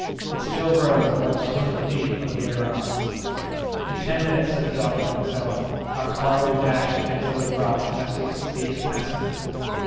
It still rose more than two hundred feet over the aëronauts. "In ten minutes," said the doctor to himself, "our car will be dashed against those rocks unless we succeed in passing them!"